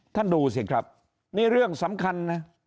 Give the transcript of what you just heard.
ท่านดูสิครับนี่เรื่องสำคัญนะ